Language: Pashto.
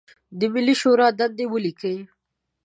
د ملي شورا دندې ولیکئ.